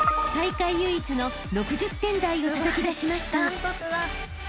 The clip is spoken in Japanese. ［大会唯一の６０点台をたたき出しました］